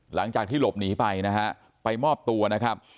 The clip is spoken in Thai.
หลังจากที่หลบหนีไปนะฮะไปมอบตัวนะครับ